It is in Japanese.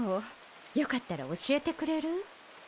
よかったら教えてくれる？